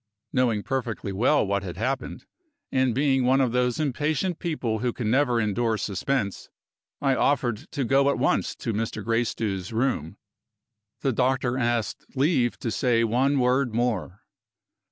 Knowing perfectly well what had happened, and being one of those impatient people who can never endure suspense I offered to go at once to Mr. Gracedieu's room. The doctor asked leave to say one word more.